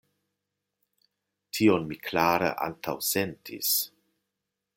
Tion mi klare antaŭsentis.